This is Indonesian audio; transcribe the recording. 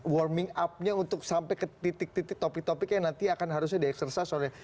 warming upnya untuk sampai ke titik titik topik topik yang nanti akan harusnya di eksekutifikan ya